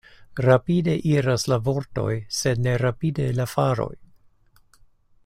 Rapide iras la vortoj, sed ne rapide la faroj.